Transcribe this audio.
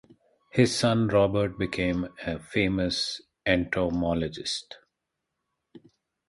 His son Robert became a famous entomologist.